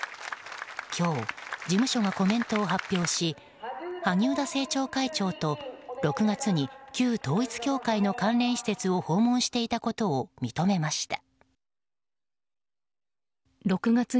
今日、事務所がコメントを発表し萩生田政調会長と６月に旧統一教会の関連施設を訪問していたことを認めました。